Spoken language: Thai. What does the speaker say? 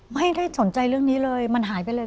ไม่ได้สนใจเรื่องนี้เลยมันหายไปเลย